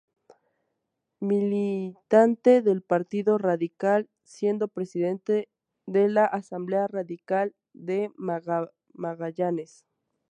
Militante del Partido Radical, siendo presidente de la asamblea radical de Magallanes.